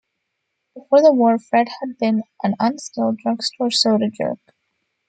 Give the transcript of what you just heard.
Before the war, Fred had been an unskilled drugstore soda jerk.